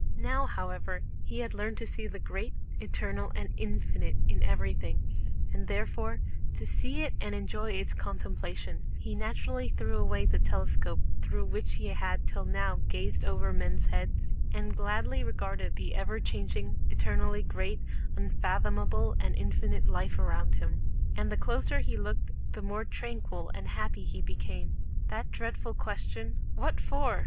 Now, however, he had learned to see the great, eternal, and infinite in everything, and therefore—to see it and enjoy its contemplation—he naturally threw away the telescope through which he had till now gazed over men's heads, and gladly regarded the ever changing, eternally great, unfathomable, and infinite life around him. And the closer he looked the more tranquil and happy he became. That dreadful question, "What for?"